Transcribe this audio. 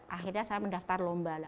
akhirnya saya mendaftar lomba